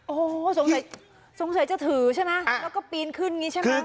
โอ้โหสงสัยจะถือใช่ไหมแล้วก็ปีนขึ้นอย่างนี้ใช่ไหม